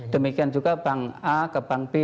demikian juga bank a ke bank b